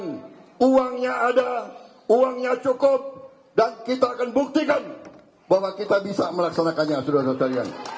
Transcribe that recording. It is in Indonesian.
dan uangnya ada uangnya cukup dan kita akan buktikan bahwa kita bisa melaksanakannya saudara saudara sekalian